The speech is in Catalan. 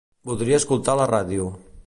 Voldria escoltar la ràdio.